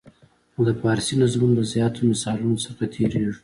نو د فارسي نظمونو له زیاتو مثالونو څخه تېریږو.